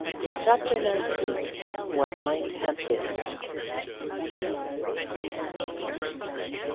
CHAPTER XIX. WHAT MIGHT HAVE BEEN!